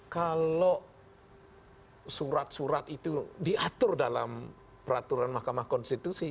kalau surat surat itu diatur dalam peraturan mahkamah konstitusi